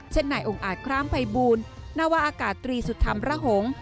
จากคล้ามภัยบูรณ์นวาอากาศตรีสุธรรมระหง